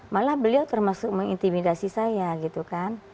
malah beliau termasuk mengintimidasi saya